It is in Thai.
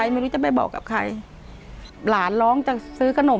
ย่าจัยดีมากเลยค่ะ